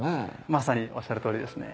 まさにおっしゃる通りですね。